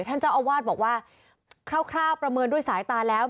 ท่านเจ้าอาวาสบอกว่าคร่าวประเมินด้วยสายตาแล้ว